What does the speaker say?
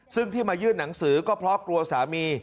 ซึ่งที่มายื่นหนังสือก็เพราะกลัวสามี